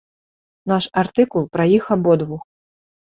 Наш артыкул пра іх абодвух.